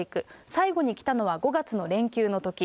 最後に来たのは５月の連休のとき。